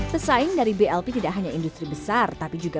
pesaing dari blp tidak hanya industri besar tapi juga